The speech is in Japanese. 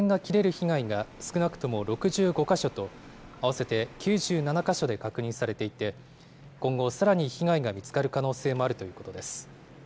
被害が少なくとも６５か所と、合わせて９７か所で確認されていて、今後、さらに被害が見つかる可能性もあるということです。